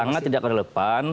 sangat tidak relevan